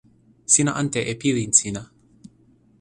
sina ante e pilin sina.